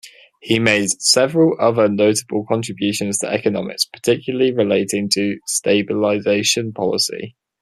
He made several other notable contributions to economics, particularly relating to stabilization policy.